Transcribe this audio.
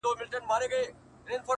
اوس ولي نه وايي چي ښار نه پرېږدو;